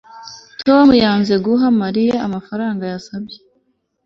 tom yanze guha mariya amafaranga yasabye